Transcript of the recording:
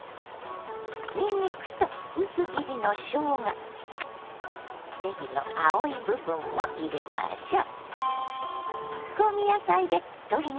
にんにくと薄切りのしょうがねぎの青い部分も入れましょう。